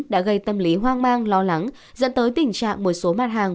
đã gây tâm lý hoang mang lo lắng dẫn tới tình trạng một số mặt hàng